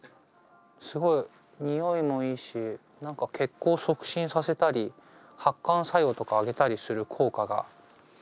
すごい匂いもいいし何か血行促進させたり発汗作用とか上げたりする効果があるそうです。